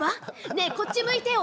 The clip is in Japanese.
ねえこっち向いてよ。